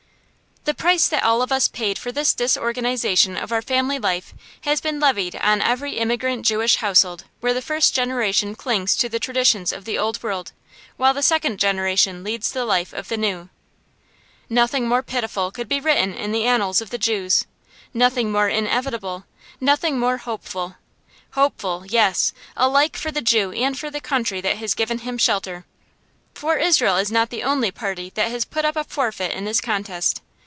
The price that all of us paid for this disorganization of our family life has been levied on every immigrant Jewish household where the first generation clings to the traditions of the Old World, while the second generation leads the life of the New. Nothing more pitiful could be written in the annals of the Jews; nothing more inevitable; nothing more hopeful. Hopeful, yes; alike for the Jew and for the country that has given him shelter. For Israel is not the only party that has put up a forfeit in this contest.